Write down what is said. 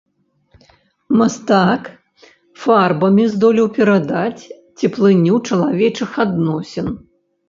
Мастак фарбамі здолеў перадаць цеплыню чалавечых адносін.